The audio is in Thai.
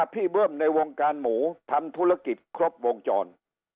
เบิ้มในวงการหมูทำธุรกิจครบวงจร